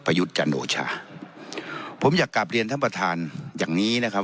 ยุทธ์จันโอชาผมอยากกลับเรียนท่านประธานอย่างนี้นะครับ